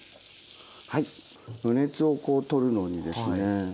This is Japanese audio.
余熱をこう取るのにですね